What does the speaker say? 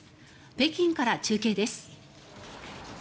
北京から中継です。